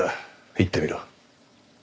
言ってみろ。